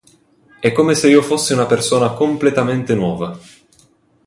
È come se io fossi una persona completamente nuova.